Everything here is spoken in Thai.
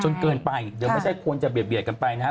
เกินไปเดี๋ยวไม่ใช่ควรจะเบียดกันไปนะฮะ